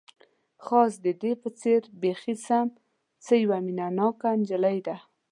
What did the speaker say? خاص د دې په څېر، بیخي سم، څه یوه مینه ناکه انجلۍ ده.